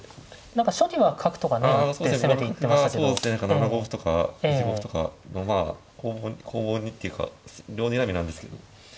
７五歩とか８五歩とか攻防にっていうか両にらみなんですけど。